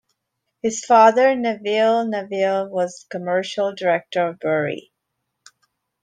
His father, Neville Neville, was commercial director of Bury.